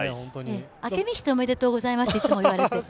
「明美しておめでとうございます」っていつも言われる。